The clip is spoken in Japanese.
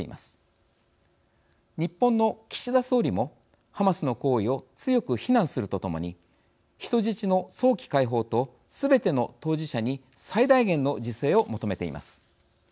日本の岸田総理もハマスの行為を強く非難するとともに人質の早期解放とすべての当事者に最大限の自制を求めています。